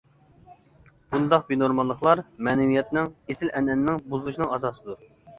بۇنداق بىنورماللىقلار مەنىۋىيەتنىڭ، ئېسىل ئەنئەنىنىڭ بۇزۇلۇشىنىڭ ئاساسىدۇر.